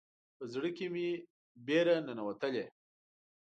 په زړه مې بیره ننوتلې